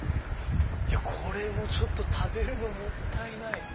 これちょっと食べるのもったいない！